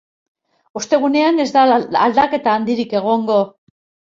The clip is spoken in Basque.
Ostegunean ez da aldaketa handirik egongo.